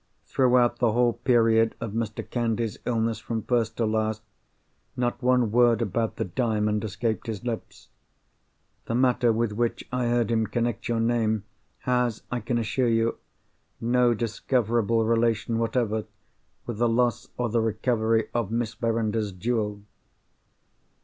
"Throughout the whole period of Mr. Candy's illness, from first to last, not one word about the Diamond escaped his lips. The matter with which I heard him connect your name has, I can assure you, no discoverable relation whatever with the loss or the recovery of Miss Verinder's jewel."